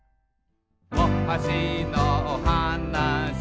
「おはしのおはなし」